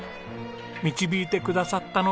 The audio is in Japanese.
導いてくださったのが。